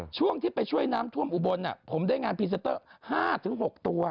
ช่วงที่ไปช่วยน้ำท่วมอุบลผมได้งานพรีเซนเตอร์๕๖ตัว